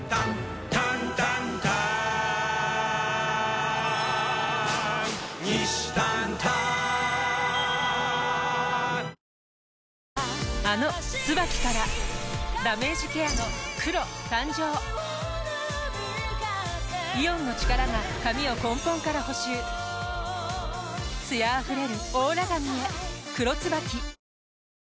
今日のチラシであの「ＴＳＵＢＡＫＩ」からダメージケアの黒誕生イオンの力が髪を根本から補修艶あふれるオーラ髪へ「黒ＴＳＵＢＡＫＩ」